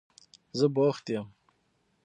زه بوخت یم.